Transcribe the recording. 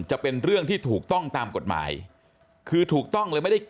เป็นเรื่องที่ถูกต้องตามกฎหมายคือถูกต้องเลยไม่ได้